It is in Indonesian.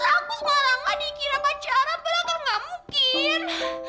masa aku semalang gak dikira pacaran belakang gak mungkin